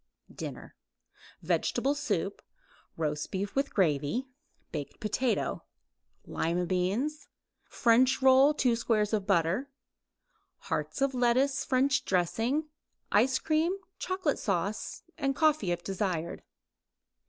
DINNER Vegetable soup; roast beef with gravy; baked potato; lima beans; French roll; 2 squares butter; hearts of lettuce, French dressing; ice cream, chocolate sauce; coffee if desired.